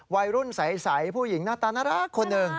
วัยรุ่นใสผู้หญิงหน้าตาน่ารักคนหนึ่ง